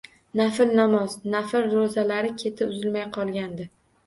Nafl namoz, nafl roʻzalarni keti uzilmay qolgandi...